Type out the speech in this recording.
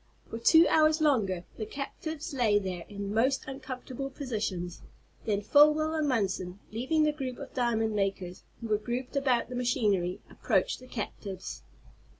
For two hours longer the captives lay there, in most uncomfortable positions. Then Folwell and Munson, leaving the group of diamond makers who were grouped about the machinery, approached the captives.